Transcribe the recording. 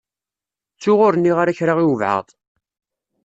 Ttuɣ ur nniɣ ara kra i wabɛaḍ.